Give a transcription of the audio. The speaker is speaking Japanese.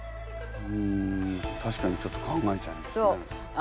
んたしかにちょっと考えちゃいますね。